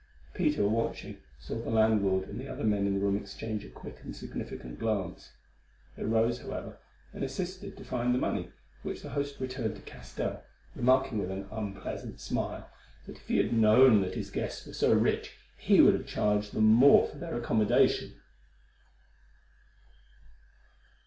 Peter, watching, saw the landlord and the other men in the room exchange a quick and significant glance. They rose, however, and assisted to find the money, which the host returned to Castell, remarking with an unpleasant smile, that if he had known that his guests were so rich he would have charged them more for their accommodation.